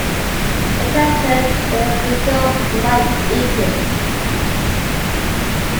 The president is Mr. Mike Eaton.